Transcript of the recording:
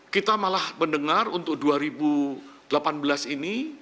kita malah mendengar untuk dua ribu delapan belas ini